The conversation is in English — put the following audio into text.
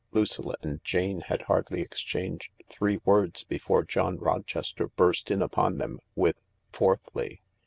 Lucilla and Jane had hardly exchanged three words before John Rochester burst in upon them with fourthly.